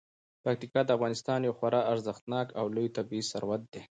پکتیکا د افغانستان یو خورا ارزښتناک او لوی طبعي ثروت دی.